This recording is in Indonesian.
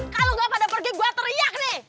kalau gak pada pergi gue teriak nih